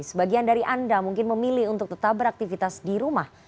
sebagian dari anda mungkin memilih untuk tetap beraktivitas di rumah